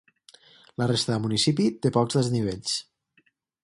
La resta del municipi té pocs desnivells.